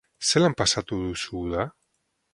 Zelan pasatu duzu uda?